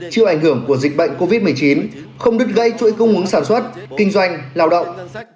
chịu ảnh hưởng của dịch bệnh covid một mươi chín không đứt gây chuỗi cung ứng sản xuất kinh doanh lao động